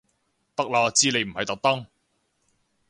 得啦知你唔係特登